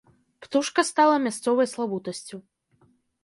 Птушка стала мясцовай славутасцю.